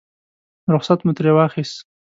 رخصت مو ترې واخیست.